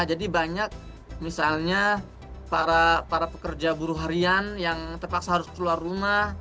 jadi banyak misalnya para pekerja buruh harian yang terpaksa harus keluar rumah